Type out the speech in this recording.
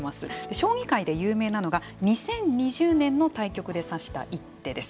将棋界で有名なのが２０２０年の対局で指した一手です。